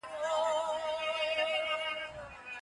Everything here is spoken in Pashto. حکومت به ډير مرييان له قيده ازاد کړي.